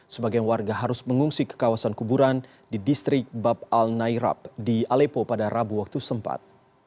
sebagian warga harus mengungsi ke kawasan kuburan di distrik bab al nairab di alepo pada rabu waktu sempat